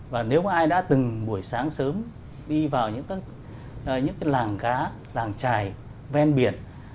và nếu ai đã từng buổi sáng sớm đi vào những cái làng cá làng trài ven biển